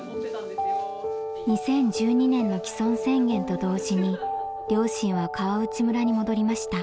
２０１２年の帰村宣言と同時に両親は川内村に戻りました。